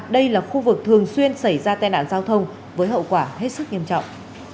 đây là khu vực thường xuyên xảy ra tai nạn giao thông với hậu quả hết sức nghiêm trọng